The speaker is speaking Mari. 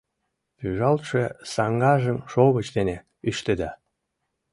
Пӱжалтше саҥгажым шовыч дене ӱштеда.